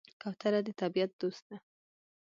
کوتره د طبیعت دوست ده.